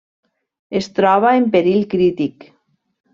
Es troba en perill crític.